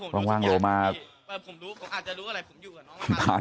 ว่ามังมา